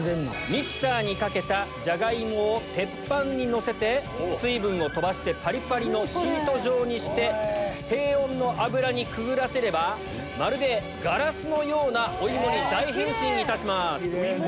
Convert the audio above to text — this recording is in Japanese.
鉄板にのせて水分を飛ばしてパリパリのシート状にして低温の油にくぐらせればまるでガラスのようなお芋に大変身いたします。